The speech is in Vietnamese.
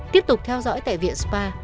tiếp tục theo dõi tại viện spa